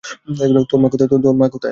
তোর মা কোথায়?